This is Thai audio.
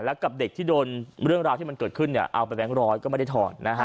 แล้วกับเด็กที่โดนเรื่องราวที่มันเกิดขึ้นเนี่ยเอาไปแบงค์ร้อยก็ไม่ได้ถอนนะฮะ